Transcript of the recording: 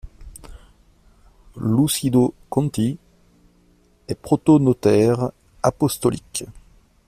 Lucido Conti est protonotaire apostolique.